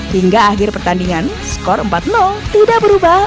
hingga akhir pertandingan skor empat tidak berubah